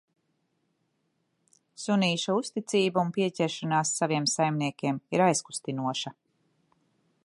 Sunīša uzticība un pieķeršanās saviem saimniekiem ir aizkustinoša.